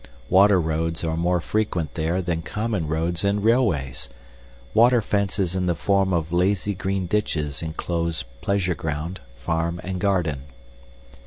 Water roads are more frequent there than common roads and railways; water fences in the form of lazy green ditches enclose pleasure ground, farm, and garden.